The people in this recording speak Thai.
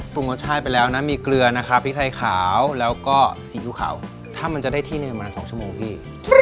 รสชาติไปแล้วนะมีเกลือนะคะพริกไทยขาวแล้วก็ซีอิ๊วขาวถ้ามันจะได้ที่หนึ่งประมาณ๒ชั่วโมงพี่